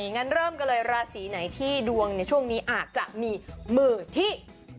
งั้นเริ่มกันเลยราศีไหนที่ดวงในช่วงนี้อาจจะมีมือที่